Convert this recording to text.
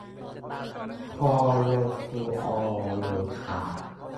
คลอโรฟลูออโรคาร์